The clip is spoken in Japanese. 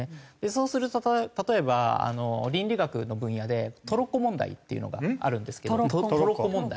そうすると例えば倫理学の分野でトロッコ問題っていうのがあるんですけどトロッコ問題。